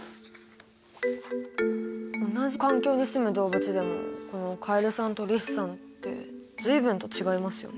同じ環境にすむ動物でもこのカエルさんとリスさんって随分と違いますよね。